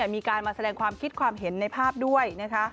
มีการมาแสดงความคิดความเห็นในภาพด้วย